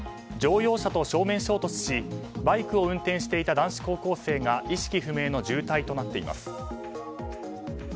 乗用車と正面衝突しバイクを運転していた男子高校生が意識不明の重体になっています。